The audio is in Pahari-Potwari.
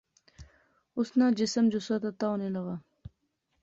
اس ناں جسم جثہ تتا ہونے لاغآ